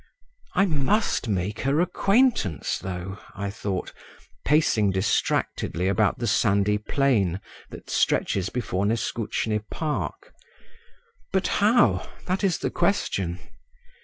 "I must make her acquaintance, though," I thought, pacing distractedly about the sandy plain that stretches before Neskutchny park … "but how, that is the question."